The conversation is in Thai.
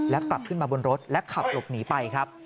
และกลับขึ้นมาบนรถและขับหลบหนีไปครับ